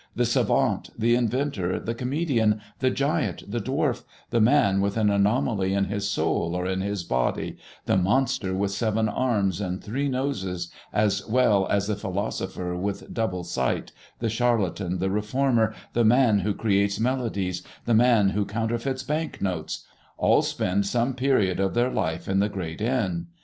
The savant, the inventor, the comedian, the giant, the dwarf, the man with an anomaly in his soul or in his body, the monster with seven arms and three noses as well as the philosopher with double sight, the charlatan, the reformer, the man who creates melodies, and the man who counterfeits bank notes, all spend some period of their life in the great inn.